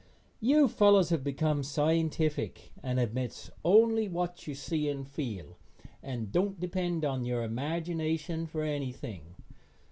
You fellows have become scientific and admits only what you see and feel, and don't depend on your imagination for anything.